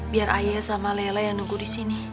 biar ayah sama lela yang nunggu di sini